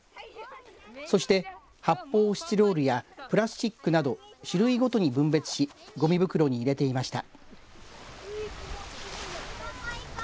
そして発泡スチロールやプラスチックなど種類ごとに分別しごみ袋に入れていました。